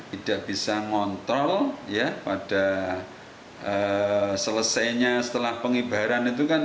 tidak bisa ngontrol ya pada selesainya setelah pengibaran itu kan